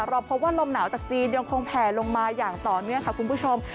เราพบว่าลมหนาวจากจีนยังคงแผ่ลงมาอย่างต่อเนื่องค่ะคุณผู้ชม